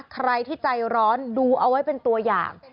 ใครที่ใจร้อนดูเอาไว้เป็นตัวอย่าง